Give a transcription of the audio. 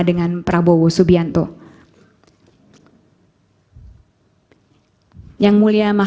dengan presiden joko widodo presiden joko widodo menerima kebenaran dan kebenaran